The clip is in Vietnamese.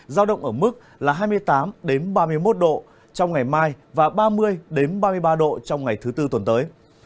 giao động ở mức là hai mươi tám ba mươi một độ trong ngày mai và ba mươi ba mươi ba độ trong ngày thứ tư tuần tới